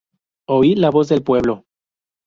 Oí la voz del pueblo.